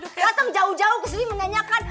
datang jauh jauh kesini menyanyikan